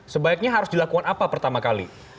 sebaiknya harus dilakukan apa pertama kali